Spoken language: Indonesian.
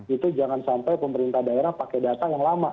itu jangan sampai pemerintah daerah pakai data yang lama